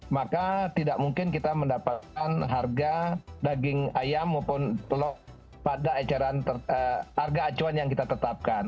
maka tidak mungkin kita mendapatkan harga daging ayam maupun telur pada harga acuan yang kita tetapkan